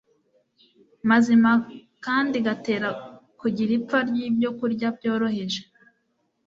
mazima kandi gatera kugira ipfa ryibyokurya byoroheje